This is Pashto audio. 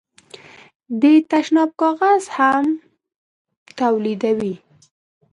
د تشناب کاغذ هم تولیدوي.